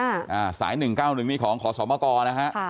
อ้าวสาย๑๙๑มีของขอสอบมกนะคะ